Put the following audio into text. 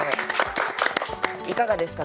いかがですか？